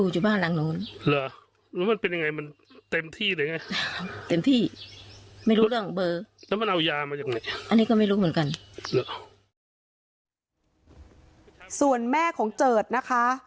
ส่วนแม่ของเจิดนะคะ